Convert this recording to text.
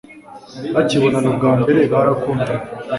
bakibonana ubwa mbere, barakundanye